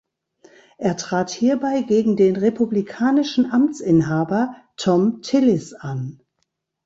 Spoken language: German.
Er trat hierbei gegen den republikanischen Amtsinhaber Thom Tillis an.